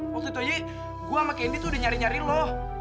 waktu itu aja gua sama candy tuh udah nyari nyari lu